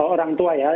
orang tua ya